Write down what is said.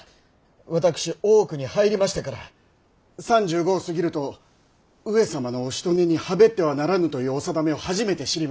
私大奥に入りましてから３５を過ぎると上様のおしとねに侍ってはならぬというお定めを初めて知りまして！